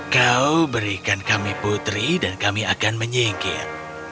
kau berikan kami putri dan kami akan menyingkir